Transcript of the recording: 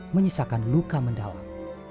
menyisakan luka mendalam